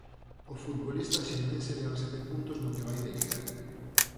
O futbolista xienense leva sete puntos no que vai de Liga.